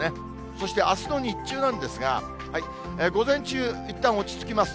そして、あすの日中なんですが、午前中、いったん落ち着きます。